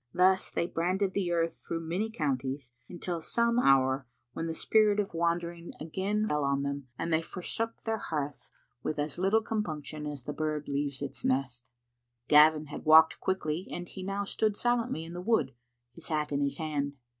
Thus they branded the earth through many counties until some hour when the spirit of wandering again fell Digitized by VjOOQ IC iS v:hc little A(nf0tct* on them, and they forsook their hearths with as little compunction as the bird leaves its nest. Gavin had walked quickly, and he now stood silently in the wood, his hat in his hand.